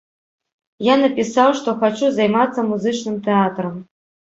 Я напісаў, што хачу займацца музычным тэатрам.